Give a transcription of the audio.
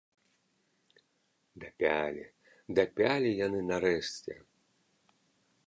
Дапялі, дапялі яны нарэшце!